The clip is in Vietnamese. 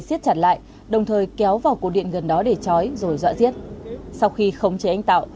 xiết chặt lại đồng thời kéo vào cổ điện gần đó để trói rồi dọa giết sau khi khống chế anh tạo